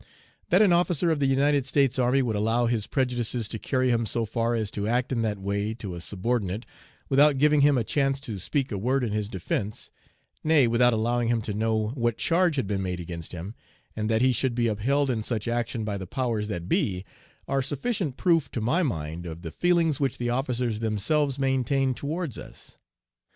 That an officer of the United States Army would allow his prejudices to carry him so far as to act in that way to a subordinate, without giving him a chance to speak a word in his defence nay, without allowing him to know what charge had been made against him, and that he should be upheld in such action by the 'powers that be,' are sufficient proof to my mind of the feelings which the officers themselves maintained towards us.